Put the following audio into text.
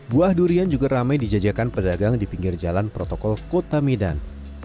buah durian juga ramai dijajakan pedagang di pinggir jalan protokol kota medan